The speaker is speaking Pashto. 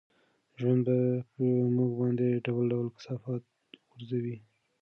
ژوند په موږ باندې ډول ډول کثافات غورځوي.